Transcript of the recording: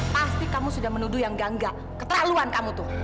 pasti kamu sudah menuduh yang gangga keterlaluan kamu tuh